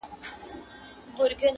شیخ پیودلی د ریا تار په تسبو دی,